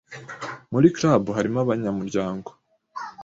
Muri club harimo abanyamuryango